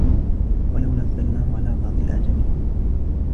ولو نزلناه على بعض الأعجمين